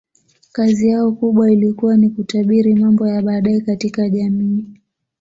Kazi yao kubwa ilikuwa ni kutabiri mambo ya baadaye katika jamii